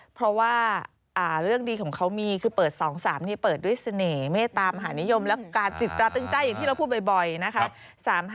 เพราะว่าเรื่องดีของเขามีคือเปิด๒๓เปิดด้วยเสน่ห์เมตตามหานิยมและการติดตราตึงใจอย่างที่เราพูดบ่อยนะคะ